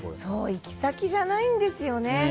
行き先じゃないんですよね。